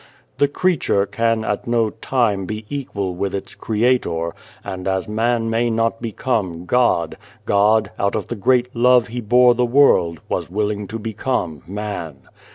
" The creature can at no time be equal with its Creator, and as man may not become God, God, out of the great love He bore the world, was willing to become man.